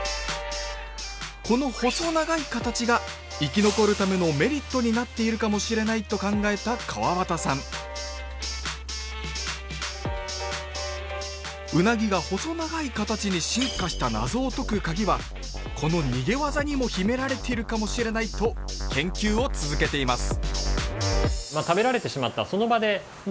この細長い形が生き残るためのメリットになっているかもしれないと考えた河端さんウナギが細長い形に進化した謎を解くカギはこの逃げ技にも秘められているかもしれないと研究を続けています